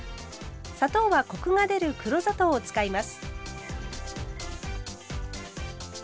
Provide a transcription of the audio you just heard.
砂糖はコクが出る黒砂糖を使います。